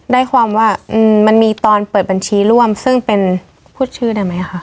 ได้ความว่ามันมีตอนเปิดบัญชีร่วมซึ่งเป็นพูดชื่อได้ไหมคะ